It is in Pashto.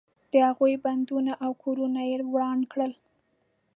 د هغوی بندونه او کورونه یې وران کړل.